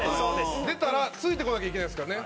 澤部：出たら、ついてこなきゃいけないですからね。